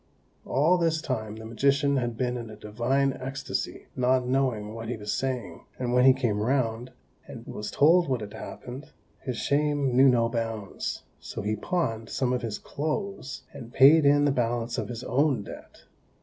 All this time the magician had been in a divine ecstasy, not knowing what he was saying; and when he came round, and was told what had happened, his shame knew no bounds, so he pawned some of his clothes, and paid in the balance of his own debt.